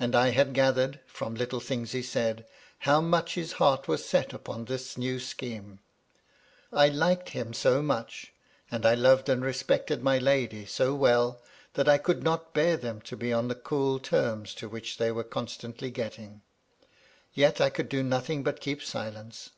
And I had gathered, from little things he said, how much his heart was set upon this new scheme. I^Hted him so much, and I loved and respected my lady so well, that I could not bear them to be on the cool terms to which they were constantly getting. Yet I could do nothing but keep silence.